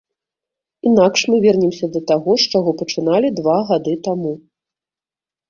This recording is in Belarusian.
Інакш мы вернемся да таго, з чаго пачыналі два гады таму.